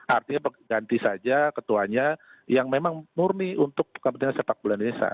artinya ganti saja ketuanya yang memang murni untuk kepentingan sepak bola indonesia